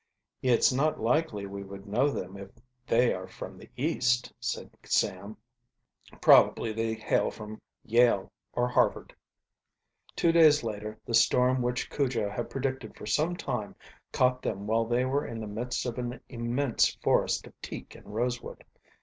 "It's not likely we would know them if they are from the East," said Sam. "Probably they hail from Yale or Harvard." Two days later the storm which Cujo had predicted for some time caught them while they were in the midst of an immense forest of teak and rosewood.